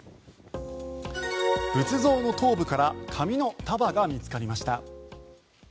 仏像の頭部から紙の束が見つかりました。